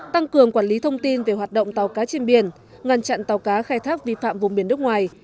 tăng cường quản lý thông tin về hoạt động tàu cá trên biển ngăn chặn tàu cá khai thác vi phạm vùng biển nước ngoài